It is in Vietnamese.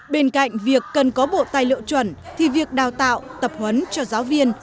bên cạnh việc cần có bộ tài liệu chuẩn thì việc đào tạo tập huấn cho giáo viên